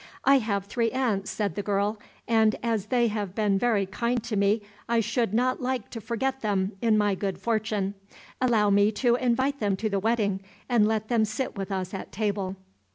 "I have three aunts," said the girl, "and as they have been very kind to me, I should not like to forget them in my good fortune; allow me to invite them to the wedding, and let them sit with us at table."